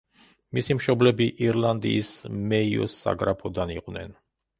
მისი მშობლები ირლანდიის მეიოს საგრაფოდან იყვნენ.